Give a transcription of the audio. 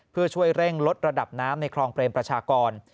เพื่อช่วยเร่งลดระดับน้ำในคลองเปรมประชากร